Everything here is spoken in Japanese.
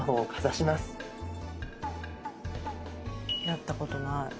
やったことない。